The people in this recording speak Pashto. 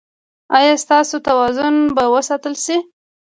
ایا ستاسو توازن به وساتل شي؟